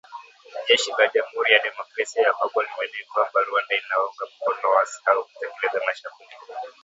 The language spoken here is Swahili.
Jeshi la jamuhuri ya demokrasia ya Kongo limedai kwamba Rwanda inawaunga mkono waasi hao kutekeleza mashambulizi